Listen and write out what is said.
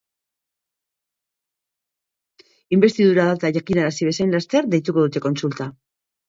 Inbestidura data jakinarazi bezain laster deituko dute kontsulta.